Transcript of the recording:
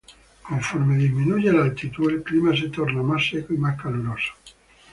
Conforme disminuye la altitud el clima se torna más seco y más caluroso.